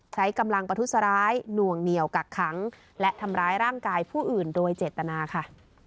ใช้กำลังประทุษร้ายหน่วงเหนียวกักขังและทำร้ายร่างกายผู้อื่นโดยเจตนาค่ะ